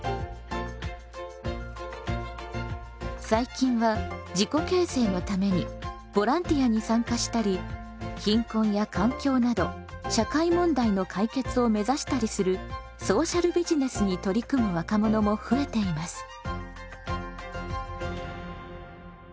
最近は自己形成のためにボランティアに参加したり貧困や環境など社会問題の解決を目指したりするソーシャルビジネスに取り組む若者も増えています。